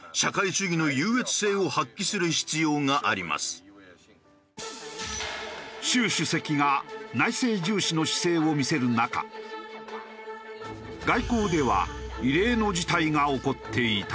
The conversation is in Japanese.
その被災地を今月７日に習主席が内政重視の姿勢を見せる中外交では異例の事態が起こっていた。